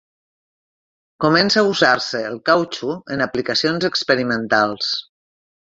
Comença a usar-se el cautxú en aplicacions experimentals.